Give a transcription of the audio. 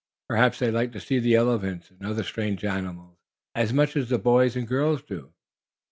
Perhaps they like to see the elephants and other strange animals, as much as the boys and girls do.